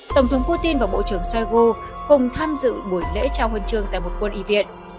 tổng thống putin và bộ trưởng shoigu cùng tham dự buổi lễ trao huân trường tại một quân y viện